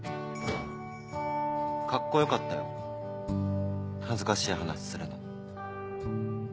カッコよかったよ恥ずかしい話するの。